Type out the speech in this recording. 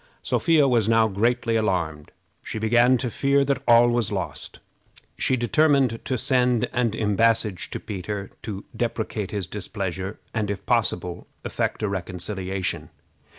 Sophia was now greatly alarmed. She began to fear that all was lost. She determined to send an embassage to Peter to deprecate his displeasure, and, if possible, effect a reconciliation.